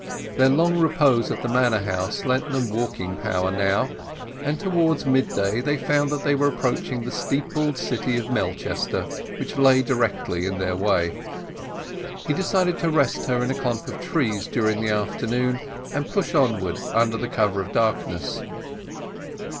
Their long repose at the manor house lent them walking power now; and towards mid day they found that they were approaching the steepled city of Melchester, which lay directly in their way. He decided to rest her in a clump of trees during the afternoon, and push onward under cover of darkness.